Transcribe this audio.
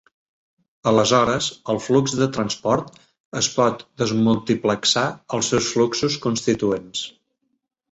Aleshores, el flux de transport es pot desmultiplexar als seus fluxos constituents.